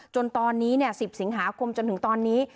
จนตอนนี้๑๐สิงหาคมจนถึงตอนนี้